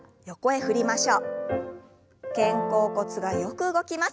肩甲骨がよく動きます。